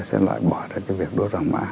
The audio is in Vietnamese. sẽ loại bỏ ra cái việc đốt vàng mã